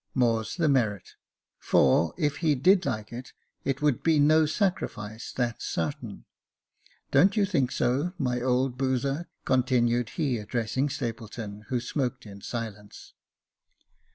More's the merit ; for, if he did like it, it would be no sacrifice, that's sartain. Don't you think so, my old boozer ?" continued he, addressing Stapleton, who smoked in silence.